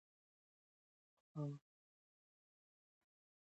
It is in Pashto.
اقبال خان ویلي وو چې دا قبر داسې دی.